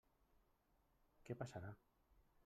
Què passarà?